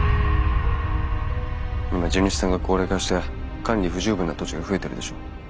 今地主さんが高齢化して管理不十分な土地が増えてるでしょ。